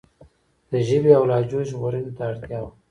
د ژبې او لهجو ژغورنې ته اړتیا وه.